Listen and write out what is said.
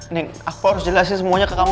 nih aku harus jelasin semuanya ke kamu